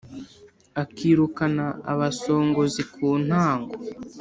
Akirukana abasongozi ku ntango